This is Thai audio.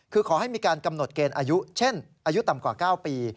คือขอให้มีการกำหนดเกณฑ์อายุเช่นอายุต่ำกว่า๙ปี